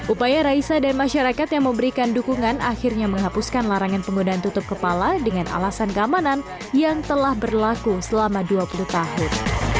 upaya raisa dan masyarakat yang memberikan dukungan akhirnya menghapuskan larangan penggunaan tutup kepala dengan alasan keamanan yang telah berlaku selama dua puluh tahun